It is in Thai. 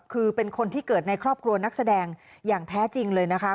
คือเป็นคนที่เกิดในครอบครัวนักแสดงอย่างแท้จริงเลยนะคะ